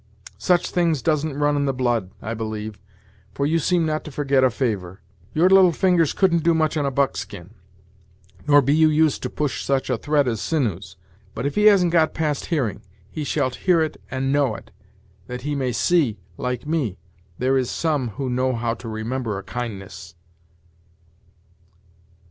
Such things doesn't run in the blood, I believe, for you seem not to forget a favor. Your little fingers couldn't do much on a buckskin, nor be you used to push such a thread as sinews. But if he hasn't got past hearing, he shalt hear it and know it, that he may see, like me, there is some who know how to remember a kindness."